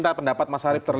ini adalah gambar esempang